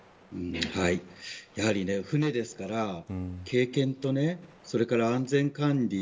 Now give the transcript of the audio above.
やはり船ですから経験と安全管理